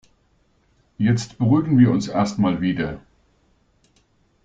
Jetzt beruhigen wir uns erst mal wieder.